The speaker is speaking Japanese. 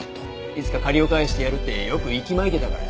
いつか借りを返してやるってよく息巻いてたから。